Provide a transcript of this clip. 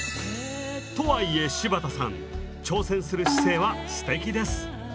とはいえ柴田さん挑戦する姿勢はすてきです。